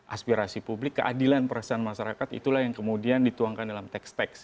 aspirasi publik keadilan perasaan masyarakat itulah yang kemudian dituangkan dalam teks teks